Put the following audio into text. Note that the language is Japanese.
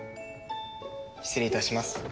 失礼いたします。